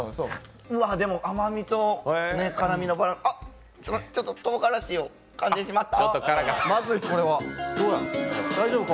うわあ、でも甘みと辛みのバランスあっ、ちょっととうがらしをかんでしまった！